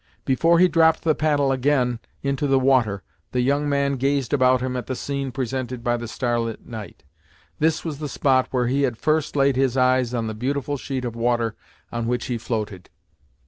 Before he dropped the paddle again into the water, the young man gazed about him at the scene presented by the star lit night. This was the spot where he had first laid his eyes on the beautiful sheet of water on which he floated.